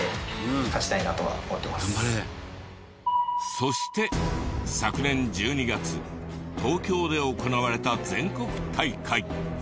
そして昨年１２月東京で行われた全国大会。